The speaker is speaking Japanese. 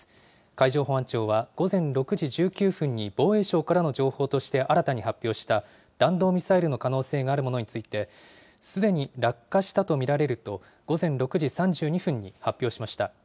海上保安庁は午前６時１９分に防衛省からの情報として新たに発表した、弾道ミサイルの可能性があるものについて、すでに落下したと見られると午前６時３２分に発表しました。